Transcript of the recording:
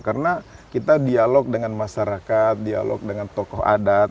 karena kita dialog dengan masyarakat dialog dengan tokoh adat